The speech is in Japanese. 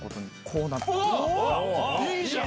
いいじゃん！